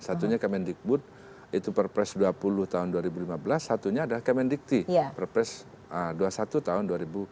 satunya kemendikbud itu perpres dua puluh tahun dua ribu lima belas satunya adalah kemendikti perpres dua puluh satu tahun dua ribu delapan belas